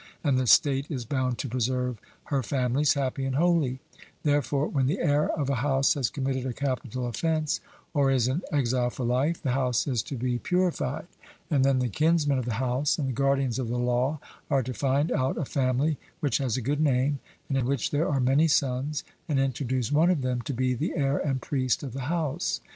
And the state is bound to preserve her families happy and holy; therefore, when the heir of a house has committed a capital offence, or is in exile for life, the house is to be purified, and then the kinsmen of the house and the guardians of the law are to find out a family which has a good name and in which there are many sons, and introduce one of them to be the heir and priest of the house.